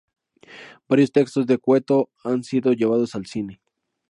Varios textos de Cueto han sido llevados al cine.